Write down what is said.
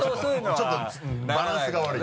ちょっとバランスが悪い。